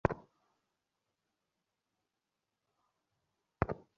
বিন্দু উদ্ধতভাবে বলিল, কেন?